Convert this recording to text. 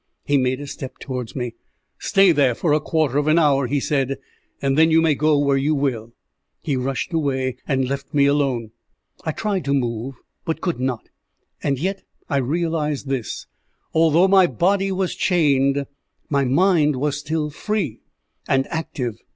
He made a step towards me. "Stay there for a quarter of an hour," he said, "and then you may go where you will." He rushed away, and left me alone. I tried to move, but could not; and yet I realized this although my body was chained, my mind was still free and active.